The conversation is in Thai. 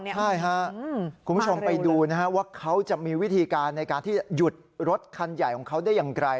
ใช่ค่ะคุณผู้ชมไปดูนะฮะว่าเขาจะมีวิธีการในการที่จะหยุดรถคันใหญ่ของเขาได้อย่างไร